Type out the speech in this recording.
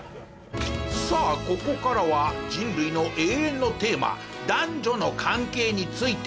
さあここからは人類の永遠のテーマ男女の関係について。